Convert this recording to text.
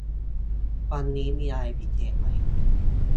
วันนี้มีอะไรพิเศษไหม